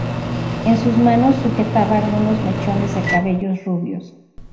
En sus manos sujetaba algunos mechones de cabellos rubios.